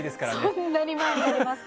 そんなに前になりますか。